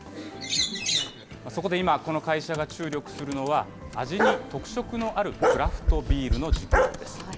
そこで今、この会社が注力するのは、味に特色のあるクラフトビールの事業です。